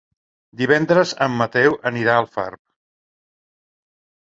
Divendres en Mateu anirà a Alfarb.